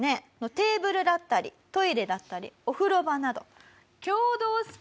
テーブルだったりトイレだったりお風呂場など。